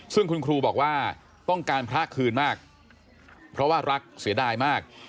ซึ่งคุณครูบอกว่าต้องการพระคืนมากเพราะว่ารักเสียดายมาก